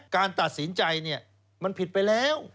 การตัดสินใจมันผิดไปแล้ว